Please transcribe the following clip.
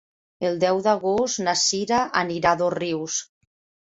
El deu d'agost na Sira anirà a Dosrius.